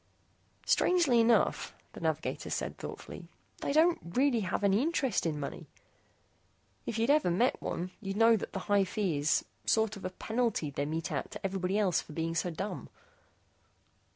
"Strangely enough," the navigator said thoughtfully, "they don't really have any interest in money. If you'd ever met one, you'd know that the high fee is sort of a penalty they mete out to everyone else for being so dumb."